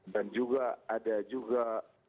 dan juga ada juga